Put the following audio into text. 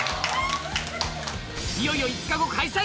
いよいよ５日後開催！